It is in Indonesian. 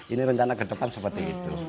ini rencana ke depan seperti itu